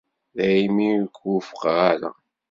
Daymi ur k-wufqeɣ ara.